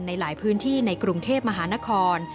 ในหลายพื้นที่ในกรุงเทพมหานคร